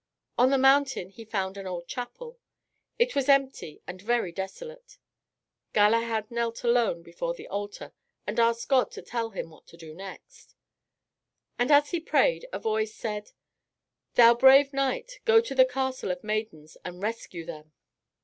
On the mountain he found an old chapel. It was empty and very desolate. Galahad knelt alone before the altar, and asked God to tell him what to do next. And as he prayed a voice said, "Thou brave knight, go to the Castle of Maidens and rescue them."